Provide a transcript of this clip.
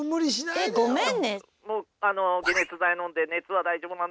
えごめんね。